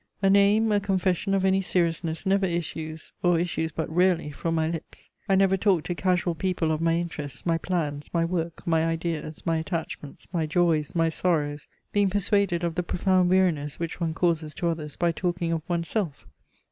A name, a confession of any seriousness never issues, or issues but rarely, from my lips. I never talk to casual people of my interests, my plans, my work, my ideas, my attachments, my joys, my sorrows, being persuaded of the profound weariness which one causes to others by talking of one's self.